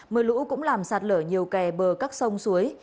mưa lũ cũng làm sạt lở nhiều kè bờ các sông suối